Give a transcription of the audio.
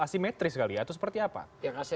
asimetris kali ya itu seperti apa